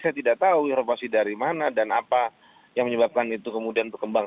saya tidak tahu inovasi dari mana dan apa yang menyebabkan itu kemudian berkembang